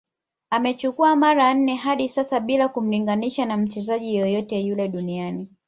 Amechukua mara nne hadi sasa Bila kumlinganisha na mchezaji yoyote yule duniani